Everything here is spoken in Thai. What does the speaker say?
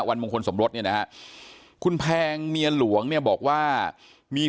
มงคลสมรสเนี่ยนะฮะคุณแพงเมียหลวงเนี่ยบอกว่ามี